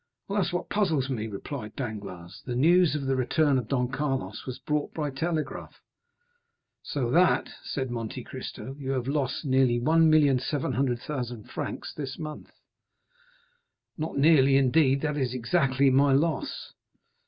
"Well, that's what puzzles me," replied Danglars; "the news of the return of Don Carlos was brought by telegraph." "So that," said Monte Cristo, "you have lost nearly 1,700,000 francs this month." "Not nearly, indeed; that is exactly my loss."